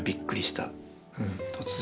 突然。